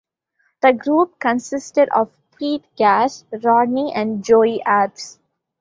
The group consisted of Pete Gas, Rodney, and Joey Abs.